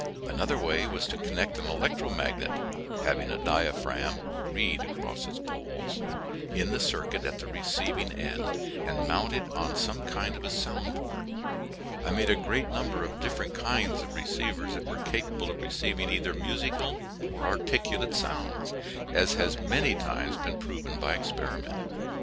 Another way was to connect an electromagnet (having a diaphragm or reed across its poles) in the circuit at the receiving end and mount it on some kind of a soundboard. I made a great number of different kinds of receivers that were capable of receiving either musical or articulate sounds, as has many times been proven by experiment.